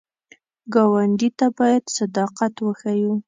ګاونډي ته باید صداقت وښیو